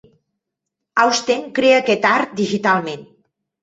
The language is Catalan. Austen crea aquest art digitalment.